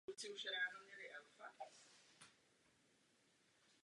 Velký důraz kladl na budování katolického tisku.